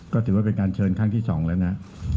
ก็ถือว่าเป็นการเชิญครั้งที่๒แล้วนะ